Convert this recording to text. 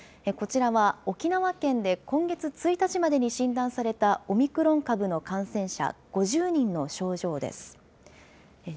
こちらは、沖縄県で今月１日までに診断されたオミクロン株の感染者５０人の症状です。